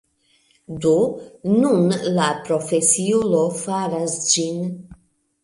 Do, nun la profesiulo faras ĝin